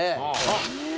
あっ！